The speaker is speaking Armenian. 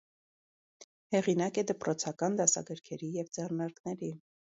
Հեղինակ է դպրոցական դասագրքերի և ձեռնարկների։